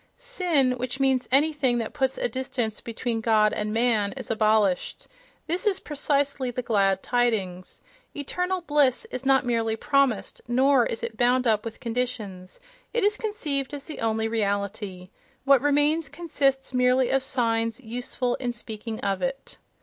"Sin," which means anything that puts a distance between God and man, is abolished—this is precisely the "glad tidings." Eternal bliss is not merely promised, nor is it bound up with conditions: it is conceived as the only reality—what remains consists merely of signs useful in speaking of it.